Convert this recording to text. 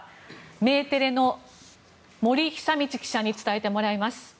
メテレの森記者に伝えてもらいます。